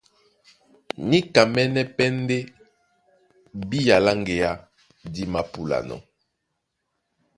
Níkamɛ́nɛ́ pɛ́ ndé bía lá ŋgeá dí māpúlanɔ́.